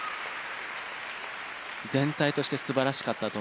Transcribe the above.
全体として素晴らしかったと思います。